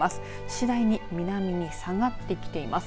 次第に南に下がってきています。